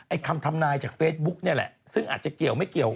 คำทำนายจากเฟซบุ๊กนี่แหละซึ่งอาจจะเกี่ยวไม่เกี่ยว